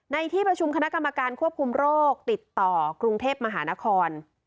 ในที่ประชุมคณะกรรมการควบคุมโรคติดต่อกรุงเทพมหานคร